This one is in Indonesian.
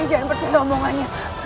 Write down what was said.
naya jangan bersedobongannya